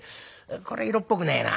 これは色っぽくねえな。